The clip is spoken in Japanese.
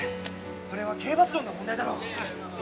これは刑罰論の問題だろう。